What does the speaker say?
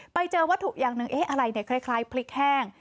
ไปเจอว่าทุกอย่างนึงเฮ้อะไรเดี่ยคล้ายพริกแห้ง